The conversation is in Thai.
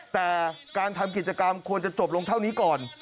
แต่การทำกิจกรรมควรจะจบลงเท่านี้ก่อน